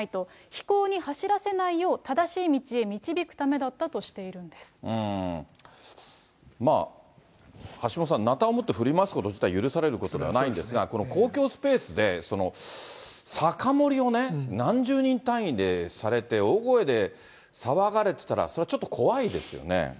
非行に走らせないよう、正しい道へ導くためだったとしているんでまあ、橋下さん、なたを持って振り回すこと自体許されることではないんですが、この公共スペースで、酒盛りをね、何十人単位でされて、大声で騒がれてたら、それはちょっと怖いですよね。